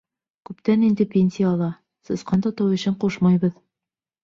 — Күптән инде пенсияла, сысҡан тотоу эшенә ҡушмайбыҙ.